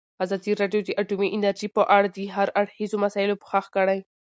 ازادي راډیو د اټومي انرژي په اړه د هر اړخیزو مسایلو پوښښ کړی.